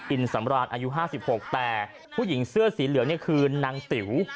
อินสำราญอายุ๕๖แต่ผู้หญิงเสื้อสีเหลืองนี่คือนางติ๋ว